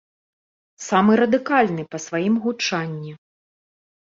Самы радыкальны па сваім гучанні.